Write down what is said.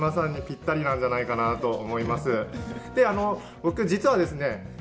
僕実はですね先輩。